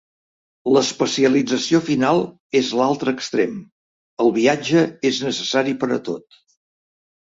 L'especialització final és l'altre extrem: el viatge és necessari per a tot.